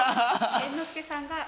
猿之助さんが。